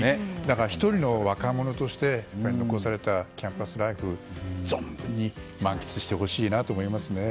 １人の若者として残されたキャンパスライフを、存分に満喫してほしいなと思います。